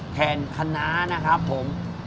แทนขนานะครับผม